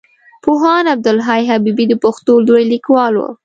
پوهاند عبدالحی حبيبي د پښتو لوی ليکوال وو.